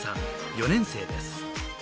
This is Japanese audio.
４年生です